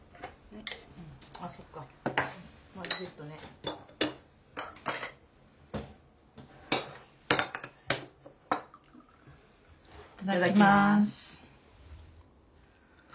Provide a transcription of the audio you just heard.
いただきます。